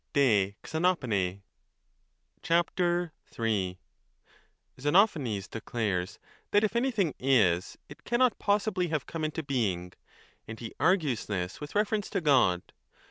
DE XENOPHANE XENOPHANES declares that if anything is, it cannot 3 possibly have come into being, and he argues this with 15 reference to God.